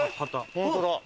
本当だ。